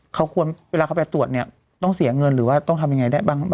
เขาควรเวลาเขาไปตรวจเนี่ยต้องเสียเงินหรือว่าต้องทำยังไงได้บ้าง